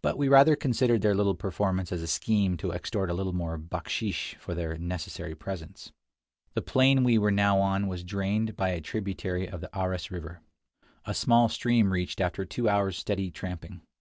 But we rather considered their little performance as a scheme to extort a little more baksheesh for their necessary presence. [541 mem READY FOR THE START. 50 Across Asia on a Bicycle The plain we were now on was drained by a tributary of the Aras River, a small stream reached after two hours' steady tramping.